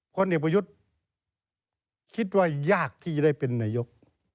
พลเอกประยุทธ์คิดว่ายากที่จะได้เป็นนายก